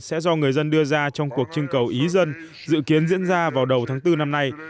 sẽ do người dân đưa ra trong cuộc trưng cầu ý dân dự kiến diễn ra vào đầu tháng bốn năm nay